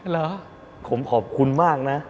บ๊วยบ๊วยผมขอบคุณมากนะ